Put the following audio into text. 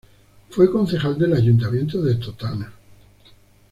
Fue concejal del Ayuntamiento de Totana.